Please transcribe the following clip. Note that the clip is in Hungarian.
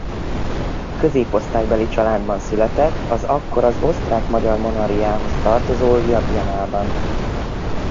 Középosztálybeli családban született az akkor az Osztrák-Magyar Monarchiához tartozó Ljubljanában.